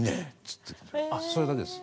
ってそれだけです。